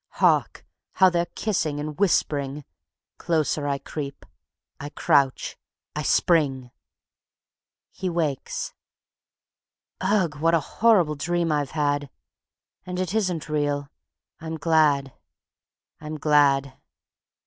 Hark! how they're kissing and whispering. ... Closer I creep ... I crouch ... I spring. ... (He wakes.) Ugh! What a horrible dream I've had! And it isn't real ... I'm glad, I'm glad!